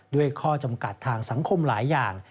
ด้วยข้อจำกัดทางสังคมหลายอย่าง